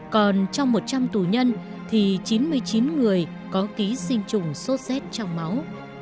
còn trong một trăm linh tù nhân thì chín mươi chín người có ký sinh trùng sốt xét trong máu